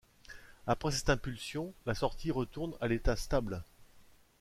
Après cette impulsion, la sortie retourne à l’état stable.